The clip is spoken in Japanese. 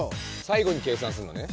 最後に計算すんのね。